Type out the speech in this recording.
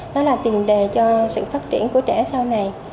nó là tiền đề cho sự phát triển của trẻ sau này